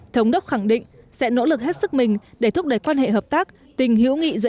thống đốc khẳng định sẽ nỗ lực hết sức mình để thúc đẩy quan hệ hợp tác tình hữu nghị giữa